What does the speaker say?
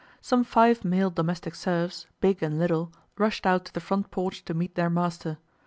Some five male domestic serfs, big and little, rushed out to the front porch to meet their master.